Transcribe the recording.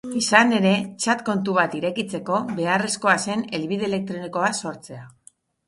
Izan ere, txat kontu bat irekitzeko beharrezkoa zen helbide elektronikoa sortzea.